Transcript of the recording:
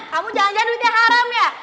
kamu jangan jangan duitnya haram ya